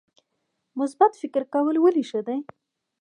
مثبت فکر کول ولې ښه دي؟